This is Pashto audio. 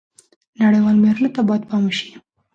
نړیوالو معیارونو ته باید پام وشي.